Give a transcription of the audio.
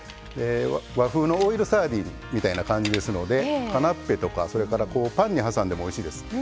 和風のオイルサーディンみたいな感じですのでカナッペとか、それからパンに挟んでもおいしいです。